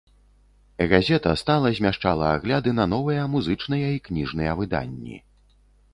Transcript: Газета стала змяшчала агляды на новыя музычныя і кніжныя выданні.